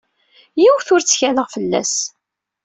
Yiwen ur ttkaleɣ fell-as.